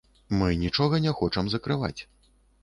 Мы нічога не хочам закрываць.